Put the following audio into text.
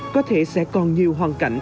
có thể sẽ còn nhiều hoàn cảnh